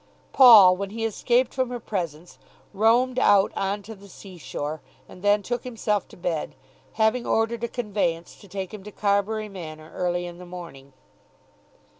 Paul, when he escaped from her presence, roamed out on to the sea shore, and then took himself to bed, having ordered a conveyance to take him to Carbury Manor early in the morning.